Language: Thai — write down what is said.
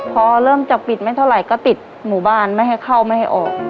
พอเริ่มจะปิดไม่เท่าไหร่ก็ติดหมู่บ้านไม่ให้เข้าไม่ให้ออก